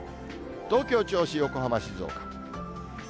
東京、銚子、横浜、静岡。